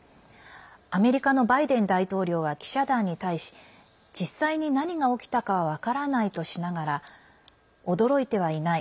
アメリカのバイデン大統領は記者団に対し実際に何が起きたかは分からないとしながら驚いてはいない。